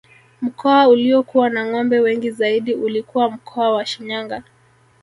Mkoa uliokuwa na ngombe wengi zaidi ulikuwa mkoa wa Shinyanga